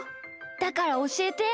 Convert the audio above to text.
だからおしえて。